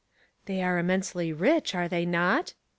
They are immensely rich, are they not?"